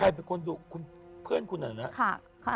ใครเป็นคนดูคุณเพื่อนคุณหน่อยนะ